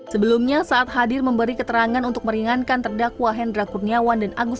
sebelumnya saat hadir memberi keterangan untuk meringankan terdakwa hendra kurniawan dan agus